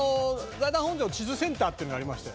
財団法人の地図センターっていうのがありましてね